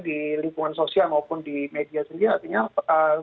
di lingkungan sosial maupun di media sendiri artinya promosi soal vaksinasi booster terutama